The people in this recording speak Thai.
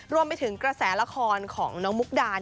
รวมไปถึงกระแสละครของน้องมุกดา